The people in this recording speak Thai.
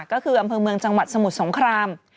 ก็คืออำเภอเมืองจังหวัดสมุทรสงคราม